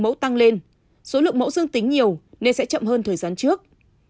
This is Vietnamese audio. mẫu tăng lên số lượng mẫu dương tính nhiều nên sẽ chậm hơn thời gian trước